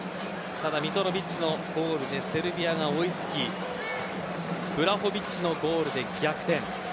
ただミトロヴィッチのゴールでセルビアが追い付きヴラホヴィッチのゴールで逆転。